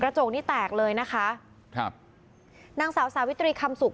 โจกนี้แตกเลยนะคะครับนางสาวสาวิตรีคำสุข